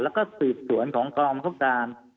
แล้วก็สืบสวนของอลองภูมิการ